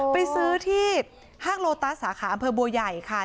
ไปซื้อที่ห้างโลตัสสาขาอำเภอบัวใหญ่ค่ะ